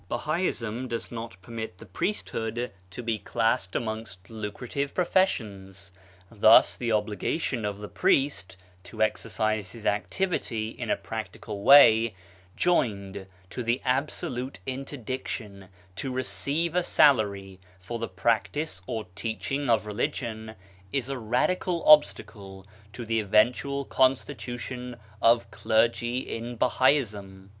Bahaism does not permit the priesthood to be classed amongst lucrative pro fessions. Thus, the obligation of the priest to exercise his activity in a practical way, joined to the absolute interdiction to receive a salary for the practice or teaching of religion, is a radical obstacle to the eventual constitution of clergy in Bahaism.